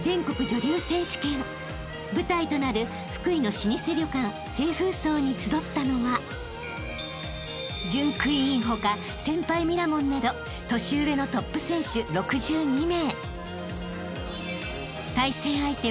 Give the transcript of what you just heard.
［舞台となる福井の老舗旅館清風荘に集ったのは準クイーン他先輩ミラモンなど年上のトップ選手６２名］